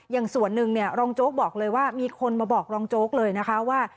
อย่างส่วนหนึ่งเนี่ยรองโจ๊กบอกเลยว่ามีคนมาบอกรองโจ๊กเลยนะคะว่า